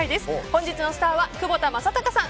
本日のスターは窪田正孝さん